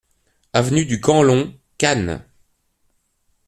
Avenue du Camp Long, Cannes